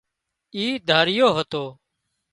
اي ۮياۯو هتو